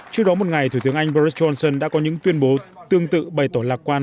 trước đó một ngày thủ tướng anh boris johnson đã có những tuyên bố tương tự bày tỏ lạc quan